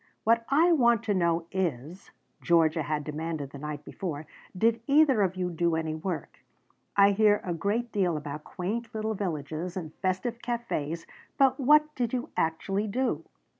"What I want to know is," Georgia had demanded the night before, "did either of you do any work? I hear a great deal about quaint little villages and festive cafes, but what did you actually do?"